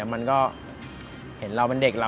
มันก็เห็นเราเป็นเด็กเรา